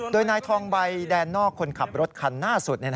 โดยนายทองใบแดนนอกคนขับรถคันหน้าสุด